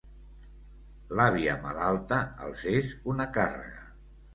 L'àvia malalta els és una càrrega.